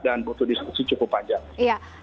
dan butuh diskusi cukup panjang